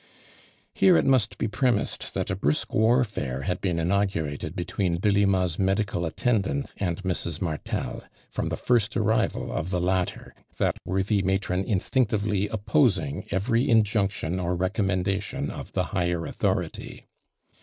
Here it must be premised that a brisk warfare had been inaugurated between Delima's medical attendant and Mrs. Mar tel, from the first arrival of the latter, that worthy matron instinctively opposing every injunction or recommendation of the higher authority.